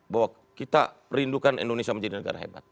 bahwa kita rindukan indonesia menjadi negara hebat